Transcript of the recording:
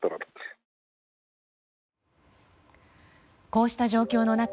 こうした状況の中